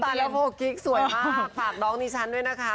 ตันและโพลกิ๊กสวยมากฝากน้องนิชันด้วยนะคะ